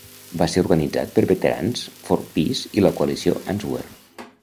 Va ser organitzat per Veterans for Peace i la Coalició Answer.